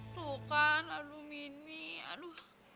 tuh kan alu mini alu